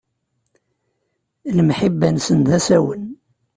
Lemḥibba-nsen, d asawen.